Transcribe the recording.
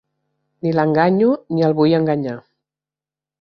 Ni l'enganyo ni el vull enganyar